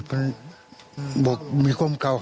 เรื่องกันไงว่านาน